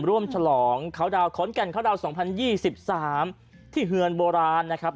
ร่วมฉลองเขาดาวขอนแก่นเขาดาวสองพันยี่สิบสามที่เฮือนโบราณนะครับ